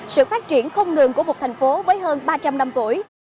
sự phát triển không ngừng của một thành phố với hơn ba trăm linh năm tuổi